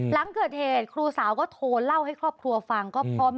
หลังเกิดเหตุครูสาวก็โทรเล่าให้ครอบครัวฟังก็พร้อม